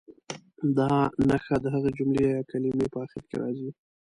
دا نښه د هغې جملې یا کلمې په اخر کې راځي.